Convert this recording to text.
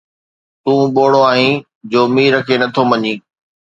”تون ٻوڙو آهين جو مير کي نٿو مڃين